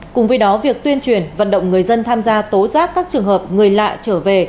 cùng với đó việc tuyên truyền vận động người dân tham gia tố giác các trường hợp người lạ trở về